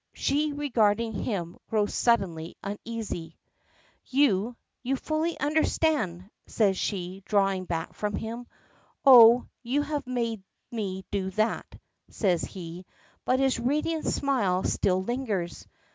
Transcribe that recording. She regarding him grows suddenly uneasy. "You you fully understand," says she, drawing back from him. "Oh, you have made me do that," says he, but his radiant smile still lingers.